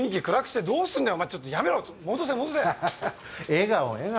笑顔笑顔